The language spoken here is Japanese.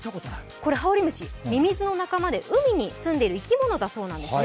ハオリムシ、ミミズの仲間で海に住んでいる生き物だそうです。